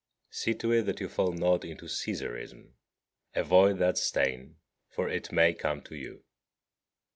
30. See to it that you fall not into Caesarism: avoid that stain, for it may come to you.